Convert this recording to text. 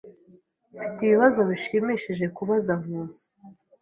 Mfite ibibazo bishimishije kubaza Nkusi.